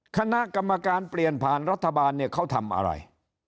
คณะกรรมการเปลี่ยนผ่านรัฐบาลเนี่ยเขาทำอะไร